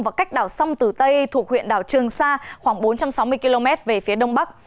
và cách đảo sông tử tây thuộc huyện đảo trường sa khoảng bốn trăm sáu mươi km về phía đông bắc